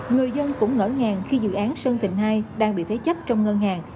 người dân cũng ngỡ ngàng khi dự án sơn tịnh hai đang bị thế chấp trong ngân hàng